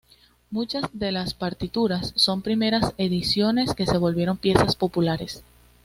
Muchas de las partituras son primeras ediciones que se volvieron piezas populares.